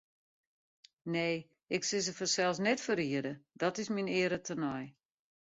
Nee, ik sil se fansels net ferriede, dat is myn eare tenei.